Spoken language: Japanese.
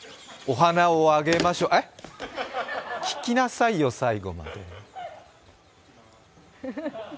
お花をあげましょえっ？